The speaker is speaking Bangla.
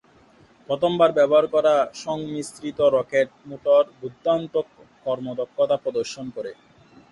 প্রথমবার ব্যবহার করা সংমিশ্রিত রকেট মোটর দুর্দান্ত কর্মদক্ষতা প্রদর্শন করে।